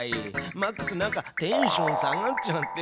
マックスなんかテンション下がっちゃってるよ。